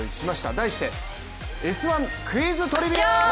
題して、「Ｓ☆１Ｑｕｉｚトリビア」！